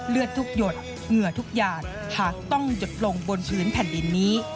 เลือดทุกหยดเหงื่อทุกยานถ้าต้องหยดลงบนพื้นแผ่นดินนี้